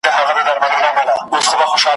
ويل كشكي ته پيدا نه واى له موره ,